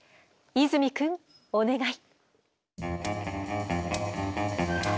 泉くんお願い。